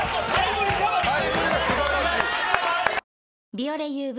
「ビオレＵＶ」